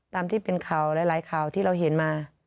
ตามที่เป็นข่าวหลายข่าวที่เราเห็นมา